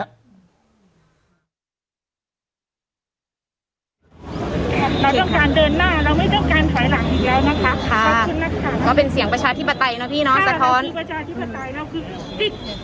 เราต้องการเดินหน้าเราไม่ต้องการถอยหลังอีกแล้วนะคะค่ะ